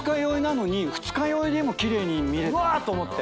うわっ！と思って。